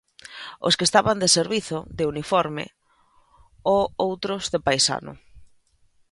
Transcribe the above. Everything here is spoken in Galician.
Os que estaban de servizo, de uniforme, o outros de paisano.